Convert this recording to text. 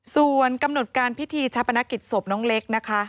ส่วนกำหนดการพิธีชาปนกิจศพน้องเล็กนะคะ